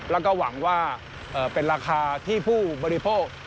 แล้วก็หวังว่าเป็นราคาที่ผู้บริโภค